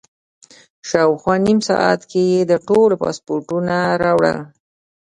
شاوخوا نیم ساعت کې یې د ټولو پاسپورټونه راوړل.